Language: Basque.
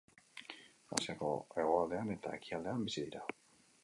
Asiako hegoaldean eta ekialdean bizi dira.